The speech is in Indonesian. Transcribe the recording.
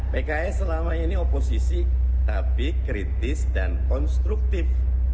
pks selama ini oposisi tapi kritis dan konstruktif